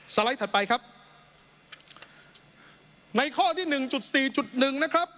สไลด์ถัดไปครับในข้อที่๑๔๑นะครับ